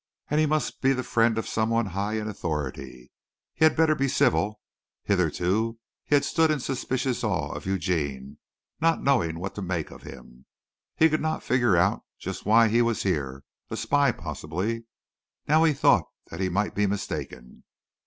And he must be the friend of someone high in authority. He had better be civil. Hitherto he had stood in suspicious awe of Eugene, not knowing what to make of him. He could not figure out just why he was here a spy possibly. Now he thought that he might be mistaken.